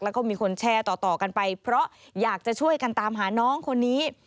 แล้วก็มีคนแชร์ต่อกันไปเพราะอยากจะช่วยกันตามหาน้องคนนี้